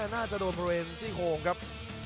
น่าจะโดนบริเวณซี่โครงครับ